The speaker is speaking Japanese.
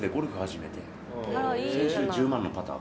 後は１０万のパター。